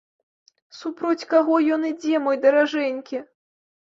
Супроць каго ён ідзе, мой даражэнькі?